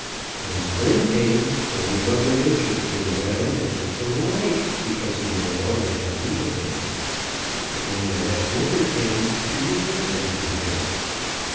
When spring came, Old Mother Nature came around and took them away, because he no longer had need of them; but when the next winter came, she returned them to him.